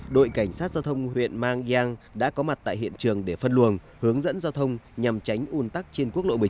đội cảnh sát giao thông huyện mang giang đã có mặt tại hiện trường để phân luồng hướng dẫn giao thông nhằm tránh un tắc trên quốc lộ một mươi chín